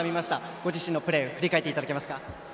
ご自身のプレー振り返っていただけますか。